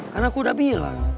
kan aku udah bilang